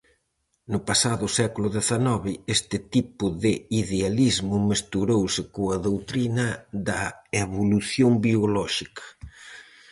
No pasado século dezanove, este tipo de idealismo mesturouse coa doutrina da evolución biolóxica.